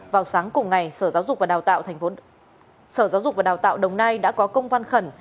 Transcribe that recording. vào sáng cùng ngày sở giáo dục và đào tạo đồng nai đã có công văn khẩn